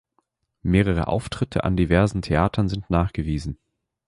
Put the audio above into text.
Mehrere Auftritte an diversen Theatern sind nachgewiesen.